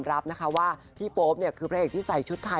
รับนะคะว่าพี่โป๊ปคือพระเอกที่ใส่ชุดไทย